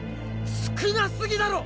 少なすぎだろ！